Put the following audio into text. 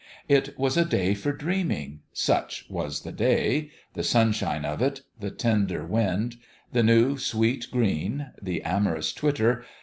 It was a day for dreaming such was the day : the sunshine of it, the tender wind, the new, sweet green, the amo rous twitter.